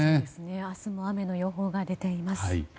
明日も雨の予報が出ています。